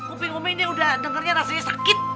umi ini udah dengernya rasanya sakit